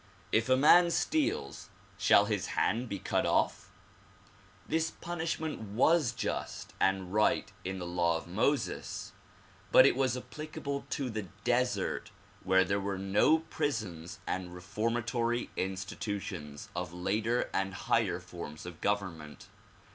If a man steals shall his hand be cut off? This punishment was just and right in the law of Moses but it was applicable to the desert where there were no prisons and reforma tory institutions of later and higher forms of government.